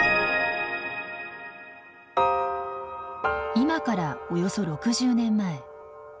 今からおよそ６０年前。